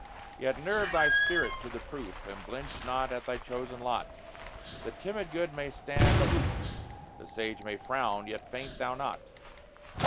Yet nerve thy spirit to the proof, And blench not at thy chosen lot; The timid good may stand aloof, The sage may frown yet faint thou not.